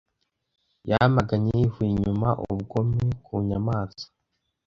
Yamaganye yivuye inyuma ubugome ku nyamaswa.